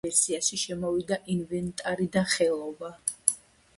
ამ ვერსიაში შემოვიდა ინვენტარი და ხელობა.